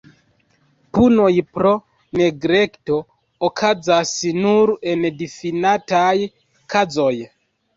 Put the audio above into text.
Punoj pro neglekto okazas nur en difinitaj kazoj.